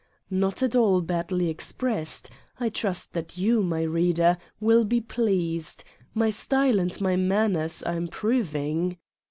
(Not at all badly expressed? I trust that you, my reader, will be pleased:, my style and my manners are improving!)